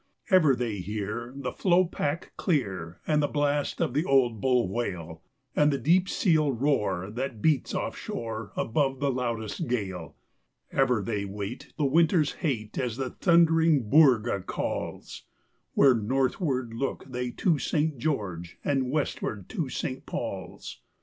Ever they hear the floe pack clear, and the blast of the old bull whale, And the deep seal roar that beats off shore above the loudest gale. Ever they wait the winter's hate as the thundering_ boorga _calls, Where northward look they to St. George, and westward to St. Paul's.